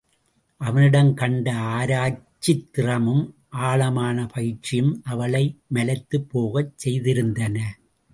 அவனிடம் கண்ட ஆராய்ச்சித் திறமும் ஆழமான பயிற்சியும் அவளை மலைத்துப் போகச் செய்திருந்தன.